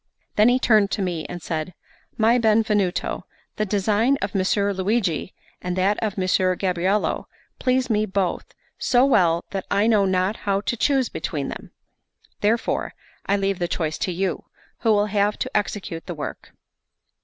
Then he turned to me and said: "My Benvenuto, the design of Messer Luigi and that of Messer Gabriello please me both so well that I know not how to choose between them; therefore I leave the choice to you, who will have to execute the work."